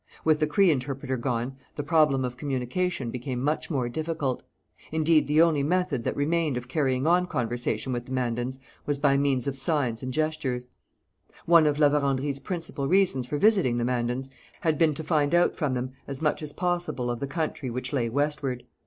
With the Cree interpreter gone, the problem of communication became much more difficult. Indeed, the only method that remained of carrying on conversation with the Mandans was by means of signs and gestures. One of La, Vérendrye's principal reasons for visiting the Mandans had been to find out from them as much as possible of the country which lay westward.